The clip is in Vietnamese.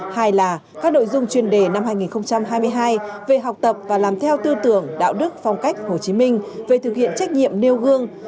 hai là các nội dung chuyên đề năm hai nghìn hai mươi hai về học tập và làm theo tư tưởng đạo đức phong cách hồ chí minh về thực hiện trách nhiệm nêu gương